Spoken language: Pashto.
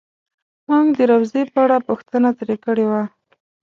مونږ د روضې په اړه پوښتنه ترې کړې وه.